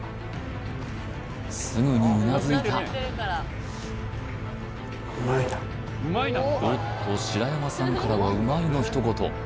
すぐにうなずいたおっと白山さんからは「うまい」の一言